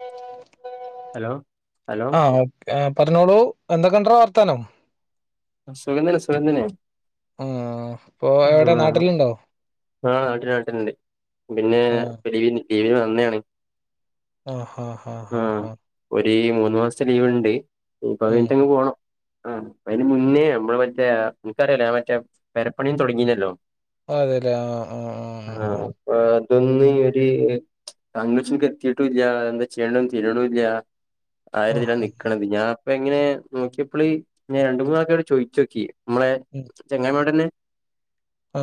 ഉ [unintelligible] hello hello ആഹ ഓ പറഞ്ഞോളൂ എന്തൊക്കെണ്ടോ വർത്താനം സുഗധനെ സുഗന്ധനെ ആഹ് ഇപ്പൊ ആ എവിടെ നാട്ടിലുണ്ടോ ആ നാട്ടിന നാട്ടുണ്ട് പിന്നെലവി ീവ നന്നെയാണ് ആഹ ഹഹ് ആഹ് ആഹ് ഹഹ ഒരുഈ മൂന്ന്ു മാസത്തെ ലീവ് ഉണ്ട് ഇപ്പൊ ഉം അഴിഞ്ഞട്ടങ് പോകണം ആഹ് നിന്നേ നമ്മള് മറ്റേ നനക്കറിയല്ലോ ൻ മറ്റേ പരപ്പണിയും തുടങ്ങിയുന്നല്ലോ അ അതെല്ലേ ആഹ് ആഹ് ആഹ് ആഹ ആഹ ഇതൊന്ന ഒരു കൺക്ഷക്ക് എത്തിീട്ടുംല്ല എന്താ ചെയ്യേണ്ടെന്ന് തീരണില്ല ആയിരതില്ലാ ആഹ് നക്കണത് ഞാൻ അപ്പ എങ്ങനെ നോക്കിയപ്പോളി ഞ നിതാക്കെോ ചോദോക്കിയേ നമ്മളെ ചെങ്ങായി മാരോടന്നെ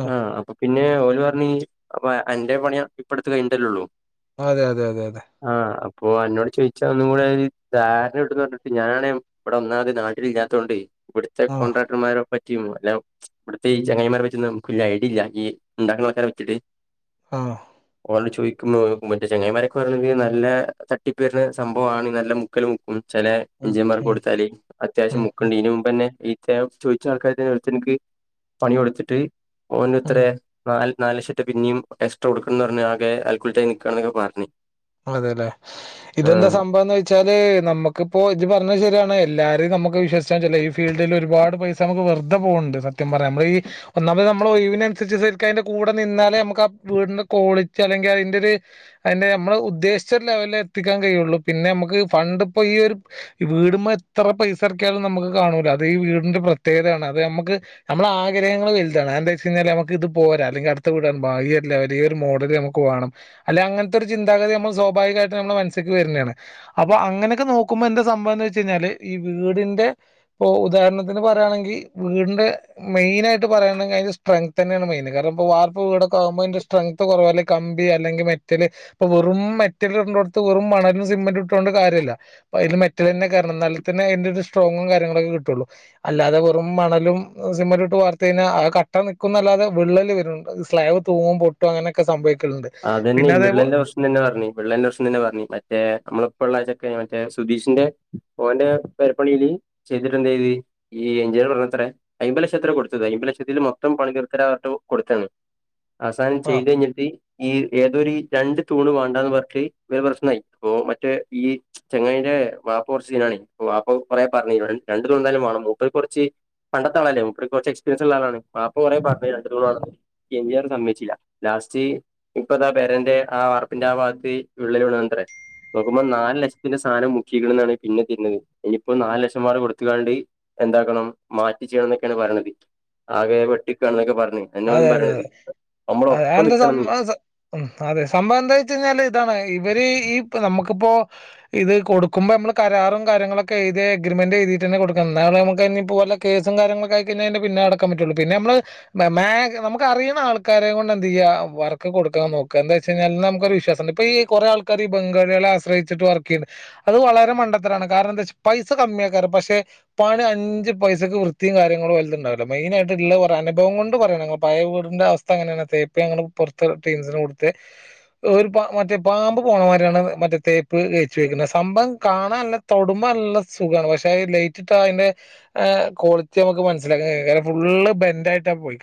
ആഹ് ആഹ് ഉം ആഹ് ആ അപ്പൊ പിന്നെ ഓല് പർഞ്ഞ് അപ്പോ അന്റെ പണി ഇപ്പട്ത്ത് കയ്ഞ്ഞ്ട്ടല്ലെള്ളു അതെ അതെ അതെ അതെ അപ്പൊ അന്നോട് ചോയിച്ചാൽ ഒന്നും കൂടെ ഒരു ധാരണ കിട്ടുന്ന് പറഞ്ഞിട്ട് ഞാനെ ഇവിടെ ഒന്നാമത് നാട്ടിൽ ഇല്ലാതോണ്ടേ ഇവിടുത്തെ ആഹ് കോൺട്രാക്ടർമാരെ പ അല്ല ഇവിടുത്തെ ഈ ചങ്ങായിമാരെ പറ്റി നമുക്ക് വല്ല ഐഡില്ല ഈ ഇ ണ്ടാക്കുന്ന ആൾക്കാരെ വെച്ചിട്ട് ആ ട് ചോയ്ക്കുമ്പോ മറ്റേ ചങ്ങായ്മാരൊക്കെ പറയ്ണത് നല്ല തട്ടിപ്പെർന്ന സംഭവാണ് നല്ല മുക്കല് മുക്കും. ചില ഉം എഞ്ചീനിയന്മാർക്ക് ഉം കൊടുത്താല് ഉം അത്യാവശ്യം ഉം മുക്കണ്ടീനും അയ്ത്തെ ചോയ്ച്ച ആൾകാർക്കന്നെ ഒരുത്തൻക്ക് പണി കൊട്ത്തിട്ട് ഉം ഓനത്രെ നാല് നാല് ലക്ഷറ്റേ പിന്നിം എക്സ്ട്രാ കൊടുക്കണംന്ന് പർഞ്ഞ് ആകെ അൽക്കുൽത്തായി നിക്കാണൊക്കെ പർഞ്ഞ്. അതെല്ലെ ഇതെന്താ സംഭവംന്ന് വെച്ചാല് നമ്മുക്കിപ്പോ ഇജ് പറഞ്ഞ ശരിയാണ്. എല്ലാരിം നമ്മുക്ക് വിശ്വസിക്കാൻ വെജല്ലോ ഈ ഫീൽഡില് ഒരുപാട് പൈസ നമുക്ക് വെർതെ പോക്ണ്ട്. സത്യം പറയാ നമ്മ ഈ ഒന്നാമത് നമ്മളൊയിവിനനുസരിച്ച് സെര്ക്ക് അയ്ന്റെ കൂടെ നിന്നാലേ മ്മക്ക് ആ വീടിന്റെ കോളിറ്റി അല്ലെങ്കി അയി ന്റെ ഒരു അയിന്റെ നമ്മള് ഉ ഉദ്ദേശിച്ചരു ലെവല്ല് എത്തിക്കാൻ കഴിള്ളൂ പിന്നെ നമുക്ക് ഫണ്ട് ഇപ്പോ ഈ ഒരു വീടുമ്മഎത്ര പൈസർ ക്കിയാലും നമുക്ക് കാണൂല അത് ഈ വീടിന്റെ പ്രത്യേകതാണ്. അത് നമുക്ക് നമ്മൾ ആഗ്രഹങ്ങൾ വൽതാണ് എന്തച്ചഴിഞ്ഞാൽ നമക്ക് ഇത് പോരാ അല്ലെങ്കിൽ അടുത്ത വീട ഈ ലെവൽ ഈ ഒരു മോഡൽ നമുക്ക് വേണം. അല്ലെ അങ്ങൻത്തെ ഒരു ചിന്താഗതി നമ്മ സ്വാഭാവികായിട്ട് നമ്മുടെ മൻസ്സ്ക്ക് വർ ഞ്ഞാണ് അപ്പൊ അങ്ങനെക്കെ നോക്കുമ്പോൾ ന്തസംഭവം എന്ന് വെച്ച് കഴിഞ്ഞാല് ഈ വീടിന്റെ ഇപ്പൊ ഉദാഹണത്തിന് പറയുകയാണെങ്കി വീടിന്റെ മെയിനായിട്ട് പറയാണെങ്കി അതിന്റെ സ്ട്രെങ്ത്തന്നെണ് മെയിന് കാരണം ഇ വാർപ്പ് വീടൊക്കെ ആകുമ്പോ അതിന്റെ സ്ട്രെങ്ത്ത് കുറവല്ല കമ്പി അല്ലെങ്കിൽ മെറ്റൽ ഇപ്പ വെറും മെ മെറ്റൽടെന്റോട്ത് വെറും മണലും സിമെന്റ്ട്ടോണ്ട് കാര്യല്ല. അയ്ല് മെറ്റലന്നെ കേറണം നൽതന്നെ അതിന്റെരു സ്ട്രോങ്ങും കാര്യങ്ങളൊക്കെ കിട്ടുള്ളൂ. അല്ലാതെ വെറും മണലും സിമെന്റ് ഇട്ട് വാർത്ത് കഴിഞ്ഞ ആ കട്ട നിക്കുന്ന അല്ലാതെ വിള്ളല് വെരുണ്ട് സ്ലാബ് തൂങ്ങും പൊട്ടുംങ്ങനൊക്കെ സംഭവിക്കും. അതന്നെ ഈ വിള്ളൽന്റെ പ്രശ്നന്നെ പർഞ്ഞെ വിള്ളൽന്റെ പ്രശ് നന്നെ പർഞ്ഞേ മറ്റേ നമ്മളിപ്പള്ള ആ ചെക്ക മറ്റേ സുധീഷിന്റെ ഓന്റെ പെരപ്പണിയില് ചെയ്തിട്ടെ ന്തെ യ്ത് ഈ എഞ്ചിനീയർ പറഞ്ഞത്രേ അയ്മ്പ ലക്ഷത്രേ കൊടുത്തത് അയ്മ്പ ലക്ഷത്തിൽ മൊത്തം പണി തീർത്തേര പർഞ്ഞ്ട്ട് കൊടുത്താണ്. അവസാനം ആ ചെയ്ത് കൈഞ്ഞിട്ട് ഈ ഏതൊരു രണ്ട് തൂൺ വേണ്ടാന്ന് പർഞ്ഞ്ട്ട് പ്രശ്നമായി ഇപ്പ മറ്റേ ഈ ചെങ്ങായിന്റെ വാപ്പ കുറച്ച് [unintelligible] വാപ്പ കൊറേ പർഞ്ഞ് രണ്ടു തൂണായാലും വേണം മൂപ്പർ കൊർച്ച് പണ്ടത്തെ ആളല്ലേ മൂപ്പർക്ക് കൊർച്ച് എക്സ്പീരിയൻസ് ഇള്ള ആളാണ് വാപ്പ കൊറേ പർഞ്ഞ് രണ്ടു തൂണ് വേണന്ന് എന്തയാലും സമ്മതിചില്ല ലാസ്റ്റ് ഇപ്പതാ പെരന്റെ ആ വാർപ്പിന്റെ ആ വാത്ത് വിള്ളല് വീണത്രെ. നോക്കുമ്പോ നാല് ലക്ഷത്തിന്റെ സാനം മുക്കീക്ക്ണെന്നാണ് പിന്നെ കേക്കുന്ന വിവരം. ഇനിയിപ്പം നാല് ലക്ഷം വേറെ കൊട്ത്ത്ക്കാണ്ട് എന്താക്കണം മാറ്റി ചെയ്യണംന്നൊക്കെയാണ് പറയ്ണത്. ആകെ വെട്ടിപ്പന്നൊക്കെ പർ ന്ന് എന്ന ഓനും അതെ അതെ പറയ്ണത് അതെ നമ്മള ഒപ്പം അതെന്താ നിക്കണം ന്ന് സംഭവം ഉം അതെ സംഭവം എന്താ വെച്ചയ് ഴിഞ്ഞാല് ഇതാണ് ഇവര് ഈ നമ്മക്കിപ്പോ ഇത് കൊടുക്കുമ്പോ നമ്മള് കരാറും കാര്യങ്ങളക്കെ എഴുതി എഗ്രിമെന്റ് എുതീട്ടന്നെ കൊടുക്കണം എന്നാ നമുക്ക്നിപ്പോ വല്ലകേസും കാര്യങ്ങളൊക്കെ ആയി കഴിഞ്ഞ പിന്നാലെ നടക്കാൻ പറ്റൊള്ളൂ. പിന്നെ മ്മള് മേ നമുക്കറിയുന്ന ആൾക്കാരെ കൊണ്ട് എന്ത് ചയ്യ വർക്ക് കൊടുക്കാൻ നോക്ക എന്താ വെച്ചയ് ഞ്ഞാൽ ന്നാ മുക്കൊരു വിശ്വാസണ്ട് ഇപ്പൊ ഈ കുറെേആൾക്കാർ ഈ ബംഗാളിയാളെ ആശ്രയിച്ചിട്ട് വർക്ക് ചെയ്യണ്ട്. അത് വളരെ മണ്ടത്തരാണ് കാരണം എന്ത വെച്ചാ പൈസ കമ്മിയാക്കാരം പക്ഷെ പണി അഞ്ച് പൈസയ്ക്ക് വൃത്തിയും കാര്യങ്ങളും ഓൽതു ണ്ടാവില്ല മെയ്നായിട്ടള്ള പറ അനുഭവം കൊണ്ട് പറ പഴെ വീടിന്റെ അവസ്ഥ അങ്ങനാണ് തേപ്പ് അങ്ങനെ പൊർ ത്ത് ടീംസിന് കൊടുത്ത് ഒരു മറ്റേ പാമ്പ് പോണമാരി യാണ് മറ്റേ തേപ്പ് തേച്ച് വെക്കുന്നത് സംഭവം കാണാൻ നല്ല തൊടുമ്പ നല്ല സുഗാണ് പക്ഷെ ലൈറ്റിട്ടാ അയി ന്റെ ക്വാളിറ്റി നമ്മക്ക് മനസ്സിലാക്ക കയ്യും ഫുള്ള് ബെൻറ്റായിട്ട പോയി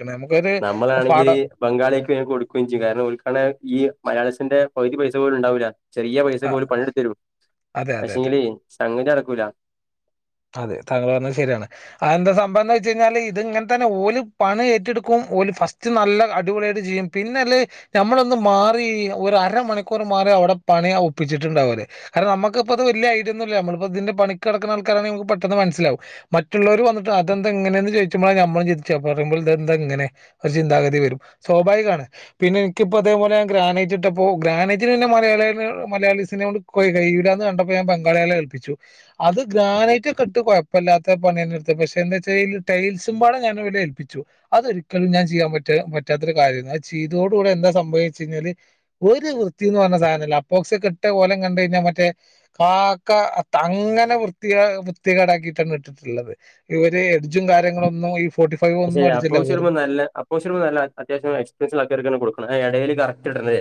നമ്മളാണെങ്കില് ബംഗാളിയാക്ക് കൊടുക്കുകയും ചെയ്യും കാരണം ഓൽക്കാണ് ഈ മലയാളീസ് ന്റെ പകുതി പൈസ പോലും ഇ ണ്ടാവൂല. ചെറിയ അ പൈസക്ക് പോലും പണിയെടുത്തരും അതെ അതെ അതെ പക്ഷെങ്കില് സംങ്ങതി നടക്കൂല അതെ താങ്കൾ പറഞ്ഞത് ശരിയാണ് അതെന്താ സംഭവം വെച്ചയ്ഞ്ഞാല് ഇത് ഇങ്ങൻതന്നെ ഓല് പണി ഏറ്റെടുക്കും ഓല് ഫസ്റ്റ് നല്ല അടിപൊളിയായിട്ട് ചെയ്യും പിന്നെ അല്ലെ നമ്മളൊന്ന് മാറി ഒരരമണിക്കൂർ മാറി അവിടെ പണി ഒപ്പിച്ചിട്ടുണ്ടാവും ഓല്. കാരണം നമുക്കിപ്പ അത് വലിയ ഐഡിയ ഒന്നുല്ല നമ്മളിപ്പോ ഇതിന്റെ പണിക്ക്‌ നടക്കുന്ന ആ ക്ക പെട്ടെന്ന് മനസ്സിലാവും. മറ്റുള്ളവർ വന്നിട്ട് അതെന്താ ഇങ്ങനെയെന്ന് ചോയ്ച്ചുമ്പളാ നമ്മൾ ചിന്തിച്ച പറയുമ്പോൾ ഇതെന്താ ഇങ്ങനെ ഒരു ചിന്താഗതി വരും. സ്വാഭാവികാണ് പിന്നെ എനിക്കിപ്പോ അതേപോലെ ഗ്രാനറ്റ് ഇട്ടപ്പോ ഗ്രാനേറ്റിന് പിന്നെ മലയാളിക മലയാളീസിനോട്‌ കയ്യൂലാന്ന് കണ്ടപ്പോ ഞാൻ ബംഗാളിയാളെ ഏൽപ്പിച്ചു. അത് ഗ്രാനൈറ്റ് ഒക്കെ ഇട്ട് കൊഴപ്പല്ലാത്ത പണി തന്നെ എട്ത്തെ പക്ഷെ എന്താച്ചാൽ ടൈൽസുംപാട ഞാനാവരെ ഏൽപ്പിച്ചു അതൊരിക്കലും ഞാൻ ചെയ്യാൻ പറ്റാ പറ്റാത്തരു കാര്യം ഏനു അത് ചെയ്തോടു കൂടെ എന്താ സംഭവിച്ച ഴിഞ്ഞാല് ഒരു വൃത്തിന്ന് പറഞ്ഞ സാധനല്ല അപ്പോക്സിയെകെട്ട കോലം കണ്ട കഴിഞ്ഞാൽ മറ്റേ കാക്ക അങ്ങനെ വൃ വ്യത്തികേ വിർത്തി കേടാക്കിയിട്ടാണ് ഇട്ടിട്ടുള്ളത് ഇവര് എഡ്ജും കാര്യങ്ങളൊന്നും ഈ ഫോർട്ടി ഫൈവ് പക്ഷെ ഒന്നും അപ്പോ അടിച്ചില്ല ചിലപ്പ വെറുതെ നല്ല അപ്പോചിലപ്പ നല്ല അത്യാവശ്യ എക്സ്പീരിയൻസുള്ള ആൾക്കാർക്കന്നെ കൊടുക്ക്ണേ ആ ഇടയില് കറക്റ്റ് ഇടതേ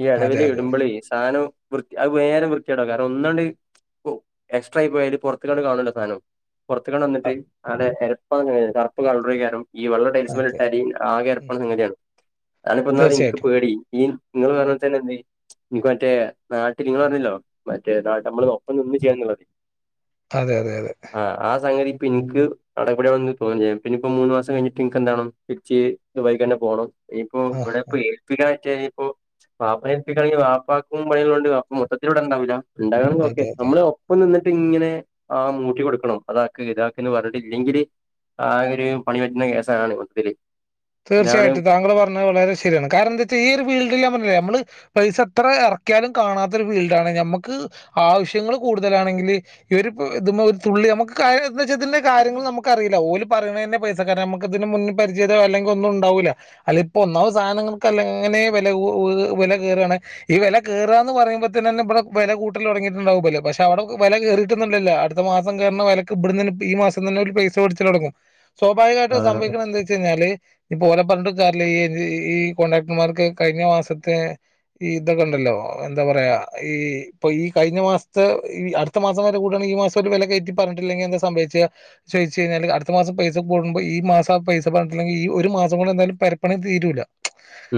ഈ അതെ ഇടവില അതെ ഇടൂമ്പളെ സാധനം വൃ അ നേരം വൃത്തിയാടാ കാരണം ഒന്നുണ്ട് ഓ എക്സ്ട്രാ ആയി പോയല് പുറത്തണ്ട് കാണുവല്ലോ സാധനം പുറത്ത കണ്ട് വന്നിട്ട് അ- വിടെ ആത് അങ്ങനെ പ്പ കൾറ കാരും ഈ വെള്ള ടൈൽസ് അതെ ഇട്ടാൽ ആകെ അഴുക്ക് ഉം. വന്ന് ഇങ്ങനാണ് അതിപ്പോ എനിക്ക് തീർച്ചയായിട്ടും പേടി നിങ്ങള്ൾ പറഞ്ഞൽ തന്നെ എന്ത് നിനിക്ക് മറ്റേ നാട്ടിൽ നിങ്ങൾ പറ ഞ്ഞല്ലോ മറ്റേ നാട്ട നമ്മൾ ഒപ്പം ഒന്നും ചെയ്യാൻുള്ള മതി അതെ അതെ അതെ ആഹ് ആ സംങ്‌ എനിക്ക് അടപടയാണന്ന് തോന്ന് ഇനിപ്പോ മൂന്നു മാസം കഴിഞ്ഞിട്ട് ഇനിക്ക് എന്താണ് ച്ച് വൈകി തന്നെ പോണ് ഇപ്പൊ ആ ഇവിടെ ആ. ഇപ്പോ ഏൽപ്പിക്കാ യിപ്പോ വാപ്പക്ക വാപ്പാക്കും പണികളുണ്ട്പ്പ മൊത്തത്തിലൂടെ ഉണ്ടാവ ഉണ്ടാകണംക്കെ അതെ അതെ നമ്മള് ഒപ്പം നി ഇങ്ങനെ ആ മൂട്ടി കൊടുക്കണം അത ഇതാക്കന്ന് പറഞ്ഞട്ടില്ലെങ്കില് ആ ഒരു പണി പറ്റുന്ന കേസാണ്ണ് ഇധത്തില് തീർച്ചയായിട്ടും താങ്കള് പറഞ്ഞത് വളരെ ശരിയാണ് കാരണം എന്താ വെച്ചാ ഈ ഒരു ഫീൽഡിൽ ഞാൻഞ്ഞേ നമ്മള് പൈസ എത്ര ഇറക്കിയാലും കാണാത്ത ഒരു ഫീൽഡാണ് ഞമ്മക്ക് ആവശ്യങ്ങൾ കൂടുതലാണെങ്കിൽ ഇഈ ഒരു ഇ ഒരു തുള്ളി നമുക്ക് എ വെച്ചാൽതിന്റെ കാര്യങ്ങൾ നമുക്ക അറിയില്ല ഓല പറയുന്നതിന്റെ പൈസ കാരയണം നമുക്ക് ഇതിന് മുന്ന പരിചയ അല്ലെങ്കിൽ ഒന്നും ഉണ്ടാവില്ല അല്ല ഇപ്പൊ ഒന്നാവ സാധനങ്ങൾക്കല്ലങ്ങനെ വില കൂ വില കയറയാണ് ഈ വില കയറാ എന്ന് പറയുമ്പോത്ത തന്നെ ഇവിടെ വില കൂട്ടല തുടങ്ങിയിട്ടുണ്ടാവുംല്ലേ പക്ഷെ അവിടെ വില കയറിയിട്ടന്നണ്ടല്ലോ അടുത്ത മാസം കേയറ വിലക്ക് ഇവിട ഈ മാസം തന്നെ ഒരു പൈസ പിടിച്ചിട്ടടങ്ങും സ്വാഭാവികമായിട്ടും ആഹ് സംഭവിക്കണം എന്താ വെച്ച് കഴിഞ്ഞാല് ഇപ്പൊ ല പറഞ്ഞട്ട്ക്കാറില്ല ഈ ഈ കോൺട്രാക്ടർമാർക്ക് കഴിഞ്ഞ മാസത്തെഈ ഇതൊക്കെ ഉണ്ടല്ലോ എന്താ പറയാ ഈ ഇപ്പൊ ഈ കഴിഞ്ഞ മാസത്തെഈ അടുത്ത മാസം വരെ കൂടാണ് ഈ മാസം ഒരു വില കയറ്റി പറഞ്ഞിട്ടില്ലെങ്കിൽ എന്താ സംഭവിച്ച ചോദിച്ചു കഴിഞ്ഞാല് അടുത്ത മാസം പൈസ കൂടുമ്പോ ഈ മാസം പൈസ പറഞ്ഞിട്ടില്ലെങ്കിൽ ഈ ഒരു മാസം കൊണ്ട് എന്തായാലും പരപ്പണി തീരൂല്ല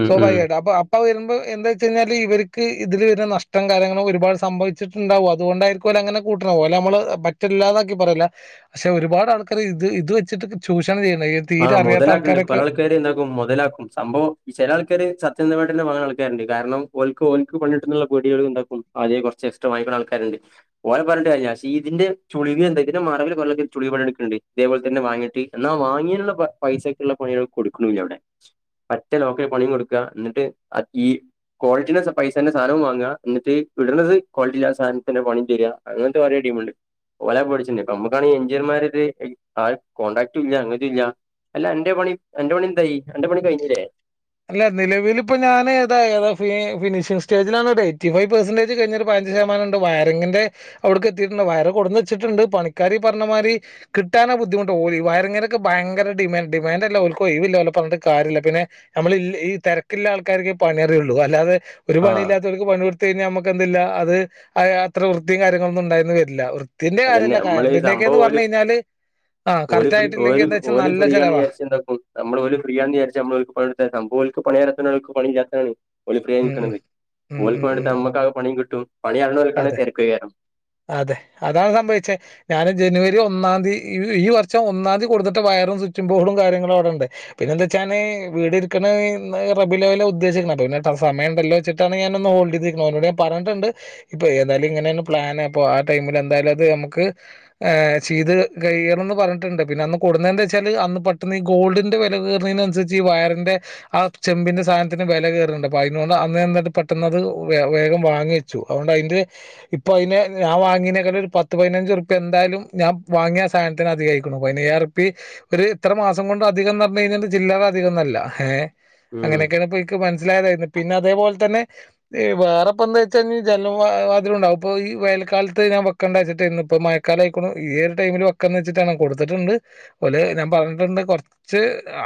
ഉം ഉം സ്വാഭാവികമായിട്ട് അപ്പൊ അപ്പ വരുമ്പോ എന്താ വെച്ച കഴിഞ്ഞാല് ഇവർ ഇതില് വരുന്ന നഷ്ടം കാര്യങ്ങളും ഒരുപാട് സംഭവിച്ചിട്ടുണ്ടാവും അതുകൊണ്ടായിരിക്കല അങ്ങനെ കൂട്ടലെ നമ്മള് പറ്റില്ലാതാക്കി പറയ പക്ഷെ ഒരുപാട് ആൾക്കാര് ഇത് ഇത് വെച്ചി്വെച്ചിട്ട് ചൂഷണം ചെയ് ഈ തീരെ അറിയാത്ത ആൾക്കാരൊെ ചില ആൾക്കാരെ മുതലാക്കും സംഭവം ഈ ചില ആൾക്കാര് സത്യം ങ്ങ ആൾക്കാരുണ്ട് കാരണംക്ക് ഓൾക്ക് ഓൾക്ക് പടിക ഉണ്ടും അ കുറച്ച് വങ്ങിക്കുന്ന ആൾക്കാരുണ്ട് ഓല പറഞ്ഞ ക പക്ഷ ഇതിന്റെളന്റെ ചളണ്ട് ഇതേപലെ തന്നെ വാങ്ങീട് വാങ്ങ പൈസക്കുള്ള പണിക കൊടുക്കണില്ല ഇവിടെ പറ്റേ ലോക്കറിൽ പണിയും കൊടുക്ക എന്നിട്ട് ഈ ക്വാളിറ്റി പൈസ തന്നെ സാധനവും വാങ്ങുക എന്നിട്ട് വിട് ന്ന്ത് ക്വാളിറ്റില്ല സാധനത്തിെ പണിയും അങ്ങനത്തെ കുറെ ടീമുണ്ട് ഒല പഠിച്ചട്ടുണ്ട് നമ്മുക്കാണ എഞ്ചിനിയർമാർ കോൺടാക്ട ഇല്ല അങ്ങന ഇല്ല അല്ല എന്റെ പണി എന്റെ പണി എന്തായി എന്റെ പണി കഴിഞ്ഞില്ലേ അല്ല നിലവില ഇപ്പൊ ഞാൻ താ ഏാ ഫിനിഷിംഗ് സ്റ്റേജിലാണ് എയ്റ്റി ഫൈവ് പെർസെന്റേജ് കഴിഞ്ഞ അഞ്ച് ശതമാനംണ്ട് വയറിിന്റെ അവിടുക്ക് എത്തിയിട്ടുണ്ട് വയറി കൊടുന്ന് വെച്ചിട്ടുണ്ട് പണിക്കാരി പറഞ്ഞ മാതി കിട്ടാനോ ബുദ്ധിമുട്ട ഓലി വയറിങ്ങിിനൊക്കെ ഭയങ്കര ഡിമാൻഡ ഡിമാൻഡ്ല്ലഓ ഒഴവില്ലല്ലെ പറഞ്ഞിട്ട് കാര്യമില്ല പിന്നെ നമ്മള ഈ തിരക്ക്‌ല്ലാ ആൾക്കാർക്ക്‌ പണിയറിയുള്ളൂ അല്ലാതെ ഒരു ആഹ് പണിയില്ലാത്തവർക്ക് പണി കഴിഞ്ഞ നമുക്ക എന്ത്‌ല്ല അത് അത്ര വൃത്തിയും കാര്യങ്ങളൊന്നും ഉണ്ടായന്ന് വരില്ല വൃത്തിന്റെ അതന്നെ കാര്യമല്ല നമ്മള് ഈ കറണ്ടിന്റെയൊക്കെന്ന് സംഭവംഓര് പറഞ്ഞു കഴിഞ്ഞാല് ആ ഓ കറക്റ്റ് ആയിട്ടില്ലെങ്കിൽ എന്താ വെച്ചാൽ ഓല നല്ല ഫ്രീ ആന്ന് ചെലവാ വിചാരിച്ച എന്താക്കും നമ്മൾ ഓല ഫ്രീന്ന് വിചാര്ച്ചാ നമ്മള് ഇപ്പഴത്തെ പോലക്ക് പണിയാർഥംണ്ട് പണിഞാൻ തന്നെ ഒളിപ്പ ഉം ഉം നിൽക്കണുന്നത് ഉം ഉം ഉം ഒളിപ്പണ്ടത്തെ ഉം അമ്മക്കക പണിയും കിട്ടും അത് പണിയറിണോൽക്കാണെ തെരക്കേക്കാരം അതെ അതാണ് സംഭവിച്ചേ ഞാന് ജനുവരി ഒന്നാം തി ഈ ഈ വർഷം ഒന്നാംതി കൊടുന്നിട്ട വയറും സ്ച്ചിം ബോർഡും കാര്യങ്ങളും അവിടെ ഉണ്ട് പിന്നെ എന്താ വെച്ചാന് വീട് ഇട്ക്ണത് റബീഉൽ അവ്വലിലാ ഉദ്ദേശിക്കണ അപ്പ പിന്നെ സമയംണ്ടല്ലോ വെച്ചിട്ടാണ് ഞാനൊന്ന് ഹോൾഡ് ചെയ്തിരിക്ക്ണെ ഓരോട് ഞാൻ പറഞ്ഞിട്ട്ണ്ട് ഇപ്പൊ ഏതായാലും ഇങ്ങനേണ് പ്ലാന് അപ്പൊ ആ ടൈമിൽ എന്തായാലും അത് നമുക്ക് ചെയ്ത് കയ്യണം ന്ന് പറഞ്ഞിട്ടുണ്ട് പിന്നെ അന്ന് കൊടുന്ന എന്താച്ചാൽ അന്ന് പെട്ടെന്ന് ഈ ഗോൾഡിന്റെ വില കേറ്ണേനനുസരിച്ച് ഈ വയറിന്റെ ആ ചെമ്പിന്റെ സാധനത്തിൻ്റെ വെല കേറ്ണ്ട് അപ്പൊ അയിനോണ്ട് അന്ന് എന്തണ് പെട്ടെന്നത് വെ വേഗം വാങ്ങി വെച്ചു അതുകൊണ്ട് അയിന്റെ ഇപ്പൊ അയിന് ഞാൻ വാങ്യേനേക്കാട്ടിലും ഒരു പത്ത് പതിനഞ്ച് ഉറുപ്പിയ എന്തായാലും ഞാൻ വാങ്ങിയ ആ സാധനത്തിന് അധികായ്ക്കുണു പതിനയ്യാരിറം ഉറുപ്പി ഒരു ഇത്ര മാസം കൊണ്ട് അധികംന്ന് പറഞ്ഞ് കഴിഞ്ഞാല് ചില്ലറ അധികംന്നല്ല ഏഹ് ഉം അങ്ങനെയൊക്കെയാണ് ഇപ്പൻക്ക് മൻ സ്സിലായതേര്ന്നു പിന്നെ അതേപോലെ തന്നെ വേറെപ്പന്താ വെച്ചാൽ ഞ് ജനലു വാതിലൂ ണ്ടാകും ഇപ്പോ ഈ വേൽക്കാലത്ത് ഞാൻ വെക്കണ്ട വെച്ചിട്ടേര്ന്നു ഇന്ന് ഇപ്പോ മഴക്കാല ആയിക്കുണു ഈ ഒരു ടൈമില് വെക്കാന്ന് വെച്ചിട്ടാ ണ് കൊടുത്തിട്ടുണ്ട് ഒല് ഞാൻ പറഞ്ഞിട്ടുണ്ട് കുറച്ച്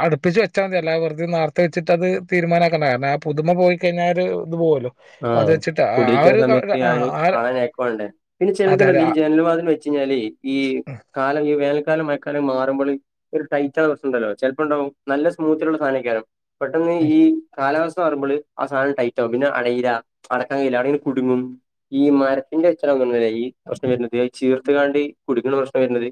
അടുപ്പിച്ച് വെച്ചാതി അല്ലാതെ വെറുതെ നേർത്തെ വെച്ചിട്ടത് തീരുമാനമാക്കണ്ട കാരണം ആ പുതുമ പോയി കഴിഞ്ഞാൽ ഒരു ഇത് പോവൊല്ലോ അപ്പൊ അത് വെച്ചിട്ട് ആ ഒര് ല്ൻ്റെ സമയത്ത് അത് കാണാൻ നേക്ക് വാണ്ടേ പിന്നെ അതെ അതെ ചെലത്ണ്ടല്ലൊ ആ ഈ ജനലുംവാ ത്‌ലും വെച്ചഴിഞ്ഞാല് ഈ ഉം കാലം ഈ വേനക്കാലം മഴക്കാലം മാ ഒരു ടൈറ്റാവ്ണ പ്രശ്നണ്ടല്ലോ ചെലപ്പണ്ടാവും നല്ല സ്മൂത്തിലുള്ള സാധനേക്കാരം പെട്ടെന്ന് ഉം. ഈ കാലാവസ് ത്ത മാറുമ്പള് ആ സാധനം ടൈറ്റ് ആവും പിന്നെ അടീല്ല അടക്കാൻ കഴിയില്ല അടെങ്ങനെ കുടുങ്ങും ഈ മരത്തിന്റെ [unintelligible] ഈ പ്രശ്നം വര്നത് അത് ചീർത്തുകാണ്ട് കുടുങ്ണ പ്രശ്നം വര്നത്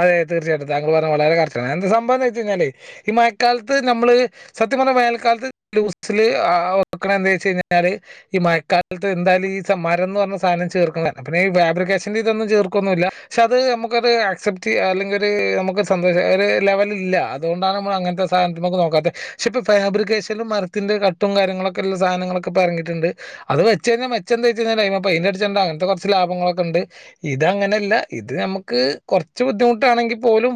അതെ തീർച്ചയായിട്ടും താങ്കൾ പറഞ്ഞ വളരെ കറക്റ്റാണ് എന്താ സംഭവംന്ന് വെച്ചഴിഞ്ഞാലേ ഈ മഴക്കാലത്ത് നമ്മള് സത്യം പറഞ്ഞ വേനൽക്കാലത്ത് ലൂസിൽ വെക്കണ എന്താ വെച്ചഴിഞ്ഞാല് ഈ മയക്കാലത്ത് എന്തായാലും ഈ മരംന്ന് പറഞ്ഞ സാധനം ചീർക്കുന്നാണ് പിന്നെ ഈ ഫാബ്രിക്കേഷൻന്റെ ഇതൊന്നും ചീർക്കൊന്നൂല്ല പക്ഷെ അത് നമുക്ക ത് അ ക്സെപ്റ്റ് ചെയ്യാ അല്ലെങ്കിൽ ഒര് നമുക്കൊര് സന്തോഷം ഒരു ലെവലില്ല അതുകൊണ്ടാണ് നമ്മൾ അങ്ങനത്തെ സാധനത്ത് മ്മക്ക് നോക്കാത്തത് പക്ഷെ ഇപ്പൊ ഫാബ്രിക്കേഷനും മരത്തിന്റെ കട്ടും കാര്യങ്ങളൊക്കെ ഉള്ള സാധനങ്ങളൊക്കെ ഇപ്പെറങ്ങിട്ടുണ്ട് അത് വെച്ച് കഴിഞ്ഞാൽ മെച്ച ന്താ വെച്ച് കഴിഞ്ഞാൽ അയിമ്മെ പെയിൻ്റെട്ചണ്ടാ അങ്ങനത്തെ കുറച്ച് ലാഭങ്ങളൊക്ക ഉണ്ട് ഇത് അങ്ങനെല്ല ഇത് നമുക്ക് കുറച്ച് ബുദ്ധിമുട്ടാണെങ്കിൽ പോലും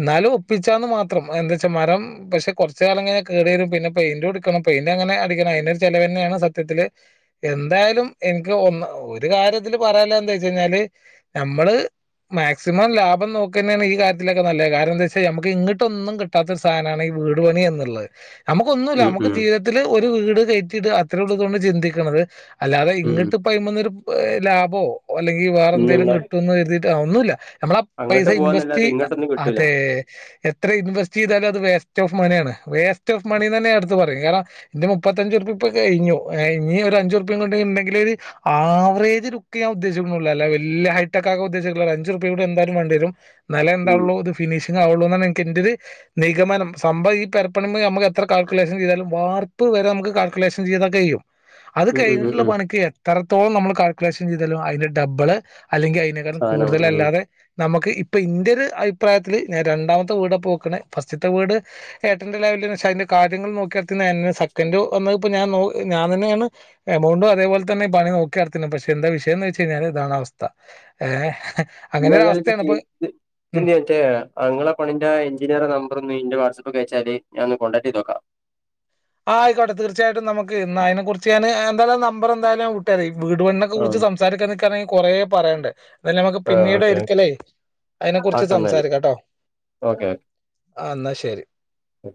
എന്നാലും ഒപ്പിച്ചാന്ന് മാത്രം എന്താച്ചാ മരം പക്ഷെ കുറച്ച കാലംങ്ങെ കേട് വരും പിന്നെ പെയിന്റ് കൊട്ക്കണം പെയിന്റ് അങ്ങനെ അടിക്കണം അയിനൊരു ചെലവന്നെണ് സത്യത്തില് എന്തായാലും എനിക്ക് ഒന്ന് ഒരു കാര്യതില് പറയാല്ലെ എന്താ വെച്ചഴിഞ്ഞാല് നമ്മള് മേക് സിമം ലാഭം നോക്കന്നെണ് ഈ കാര്യത്തിലൊക്കെ നല്ലത് കാരണം എന്താച്ചാൽ നമുക്ക് ഇങ്ങട്ടൊന്നും കിട്ടാത്ത ഒര് സാധനാണ് ഈ വീട് പണി എന്നുള്ളത് നമുക്ക് ഒന്നൂല്ല ഉം നമുക്ക് ഉം ജീവിതത്തില് ഒരു വീട് കയറ്റിയിട അത്രയ ഉള്ളോ ഇതോണ്ട് ചിന്തിക്കണത് അല്ലാതെ ഉം ഇങ്ങട്ട് ഇപ്പയ്മന്നൊരു ലാഭോ അല്ലെങ്കിൽ വേറെന്തേലും പിന്നെന്താ കിട്ടുംന്ന് കരുതി ആ ഒന്നൂല്ല നമ്മളാ പൈസ അങ്ങട്ട് ഇൻവെസ്റ്റ് പോവാന്നല്ലാതെ ഇങ്ങോട്ടൊന്നും കിട്ടൂല അതെ എത്ര ഇൻവെസ്റ്റ് ചെയ്താലും അത് വേസ്റ്റ് ഓഫ് മനാണ് വേസ് റ്റോഫ് മണി ന്നെന്നെ ഞാന് ട്ത്തു പ റിം കാരണംന്റെ മുപ്പത്തഞ്ചുറുപ്യ ഇപ്പൊ കഴിഞ്ഞു ഇഞ്ഞി ഒരഞ്ചു ർപ്പിം കൂടെണ്ടെങ്കിൽ ഒരു ആവറേജ് ലുക്കേ ഞാൻ ഉദ്ദേശിക്കുണുള്ളൂ അല്ലാതെ വല്യ ഹൈടെക് ആക്കാ ഉദ്ദേശ [unintelligible] അഞ്ചുർപ് കൂടിയും എന്തായാലും വേണ്ടി വരും എന്നാലെ ഉം എന്താവൊള്ളൂ ഇത് ഫിനിഷിംഗ് ആവുള്ളൂ എന്നാണ് ഇൻക്ക് ഇൻ്റൊരു ഇത് നിഗമനം സംഭവം ഈ പെരപ്പണിമ്മെ നമുക്ക് എത്ര കാൽക്കുലേഷൻ ചെയ്താലും വാർപ്പ് വരെ നമുക്ക് കാൽക്കുലേഷൻ ചെയ്തൊക്കെ ചെയ്യും അത് ഉം ഉം ഉം കഴിഞ്ഞിട്ടുള്ള ഉം പണിക്ക് എത്രത്തോളം നമ്മള് കാ ൽകുലേഷൻ ചെയ്താലും അതിന്റെ ഡബിള് അല്ലെങ്കിൽ അതിനേക്കാളും സാധനം കൂടതൽ ഉം അല്ലാതെ നമ ക്ക് ഇപ്പ ഇന്റെ ഒരു അഭിപ്രായത്തില് ഞാൻ രണ്ടാമത്തെ വീടാപ്പോ വെക്ക്ണെ ഫസ്റ്റത്തെ വീട് ഏട്ടന്റെ ലെവലെ അതിന്റെ കാര്യങ്ങൾ നോക്കിനടത്തി [unintelligible] സെക്കൻഡോ വന്ന് ഇപ്പോ ഞാൻ ഞാൻ തന്നെയാണ് എമൗണ്ടോ അതേപോലെ തന്നെ പണി നോക്കി നടത്ണെ പക്ഷെ എന്താ വിഷയംന്ന് വെച്ച കഴിഞ്ഞാൽ ഇതാണ് അവസ്ഥ ഏ അങ്ങനെ ഒരു ഇന്നേതായാലും അവസ്ഥയാണ് ഇപ്പൊ [unintelligible] ഉം ഇങ്ങളെ പണിന്റെ എഞ്ചിനീയറെ നമ്പർ ഒന്ന് ഇന്റെ വാട്സപ്പ് ക്ക് അയച്ചാല് ഞാൻ ഒന്ന് കോൺടാക്ട് ചെയ്ത് നോക്കാം ആയിക്കോട്ടെ തീർച്ചയായിട്ടും നമുക്ക് എന്നായി നെ കുറിച്ച് തന്നെഎന്തായാലും നമ്പർ എന്തായാലും വിട്ട രാ അയിക്ക് വീട്പണി നെകുറി ആഹ് ച്ച്സംസാ രനിക്കാനെ കൊറേ പറണ്ടേ അഹ് നമുക്ക് ആഹ് പിന്നീട് ഓക്കെ രിക്കലേ അതിനെ ആക്ക കുറിച്ച് എന്നാല് സംസാരിക്കാട്ടോ ഓക്കെ ന്നാ ശരി ഓക്കെ